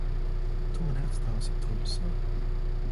Tu mani atstāsi tumsā?